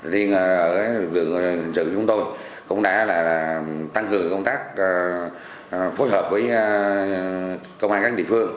liên ở vườn hình sự chúng tôi cũng đã tăng cường công tác phối hợp với công an các địa phương